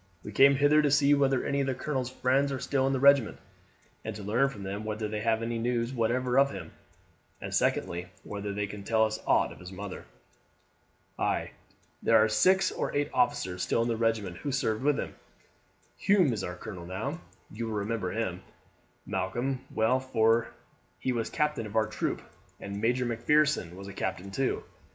We came hither to see whether any of the colonel's friends are still in the regiment, and to learn from them whether they have any news whatever of him; and secondly, whether they can tell us aught of his mother." "Ay, there are six or eight officers still in the regiment who served with him. Hume is our colonel now; you will remember him, Malcolm, well, for he was captain of our troop; and Major Macpherson was a captain too.